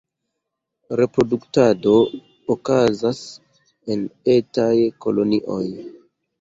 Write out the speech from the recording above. Reproduktado okazas en etaj kolonioj.